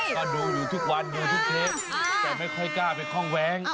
ก็ดูอยู่ทุกวันดูทุกเทปแต่ไม่ค่อยกล้าไปคล่องแว้ง